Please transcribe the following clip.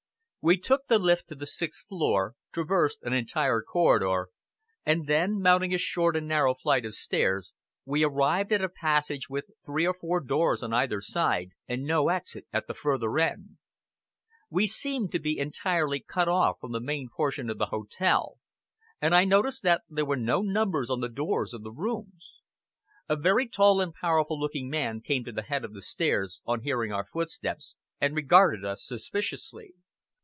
We took the lift to the sixth floor, traversed an entire corridor, and then, mounting a short and narrow flight of stairs, we arrived at a passage with three or four doors on either side, and no exit at the further end. We seemed to be entirely cut off from the main portion of the hotel, and I noticed that there were no numbers on the doors of the rooms. A very tall and powerful looking man came to the head of the stairs, on hearing our footsteps, and regarded us suspiciously.